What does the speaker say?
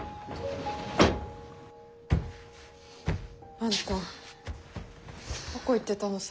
あんたどこ行ってたのさ。